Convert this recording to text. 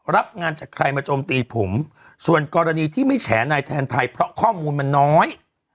รับงานจากใครมาโจมตีผมส่วนกรณีที่ไม่แฉนายแทนไทยเพราะข้อมูลมันน้อย